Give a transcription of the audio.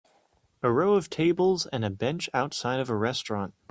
A row of tables and a bench outside of a restaurant